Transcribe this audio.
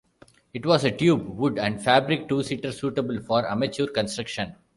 It was a tube, wood and fabric two-seater suitable for amateur construction.